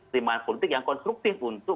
terimaan politik yang konstruktif untuk